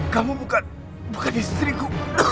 kamu bukan bukan istriku